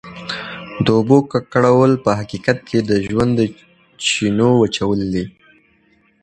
د اوبو ککړول په حقیقت کې د ژوند د چینو وچول دي.